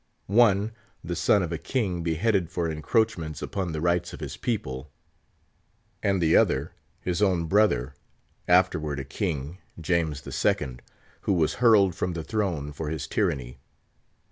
One, the son of a King beheaded for encroachments upon the rights of his people, and the other, his own brother, afterward a king, James II., who was hurled from the throne for his tyranny.